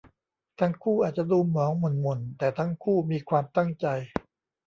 ทั้งคู่อาจจะดูหมองหม่นหม่นแต่ทั้งคู่มีความตั้งใจ